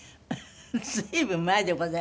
随分前でございますけど。